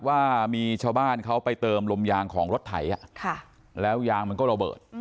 ว่ามีชาวบ้านเขาไปเติมลมยางของรถไถแล้วยางมันก็ระเบิด